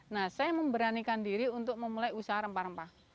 nah saya memberanikan diri untuk memulai usaha rempah rempah